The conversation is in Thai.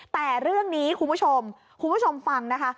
แต่เรื่องนี้คุณผู้ชมคุณผู้ชมฟังนะคะ